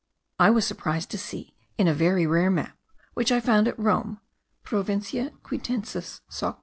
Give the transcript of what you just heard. I was surprised to see in a very rare map, which I found at Rome (Provincia Quitensis Soc.